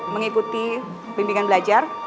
mengikuti pembimbingan belajar